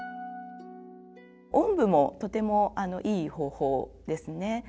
おんぶもとてもいい方法ですね。